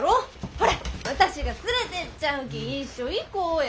ほら私が連れてっちゃるき一緒行こうや。